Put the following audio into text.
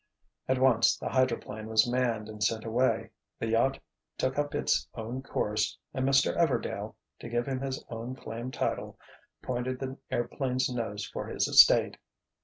At once the hydroplane was manned and sent away, the yacht took up its own course, and Mr. Everdail—to give him his own claimed title—pointed the airplane's nose for his estate.